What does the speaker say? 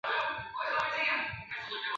工尺谱的唱名大致上接近过去的中州音。